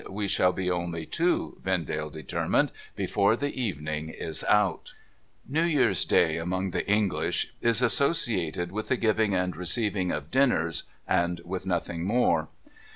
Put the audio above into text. ' We shall be only two,' Vendale determined, ' before the evening is out !' New Year's Day, among the English, is associated with the giving and receiving of dinners, and with nothing more.